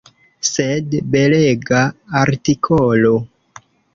Sed belega artikolo!